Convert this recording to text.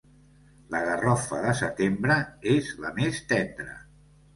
La garrofa de setembre és la més tendra.